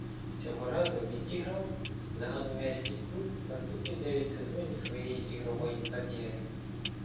Цього разу відіграв за генуезький клуб наступні дев'ять сезонів своєї ігрової кар'єри.